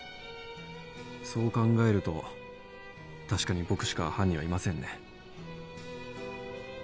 そう考えると確かに僕しか犯人はいませんね。